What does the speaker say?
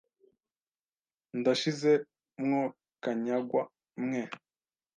Ndashize mwo kanyagwa mwe!”